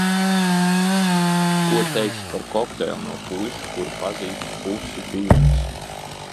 Ko teiksi par kokteili no puiša, kuru pazīsti pusi dienas?